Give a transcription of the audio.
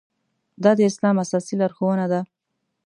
دا د اسلام اساسي لارښوونه ده.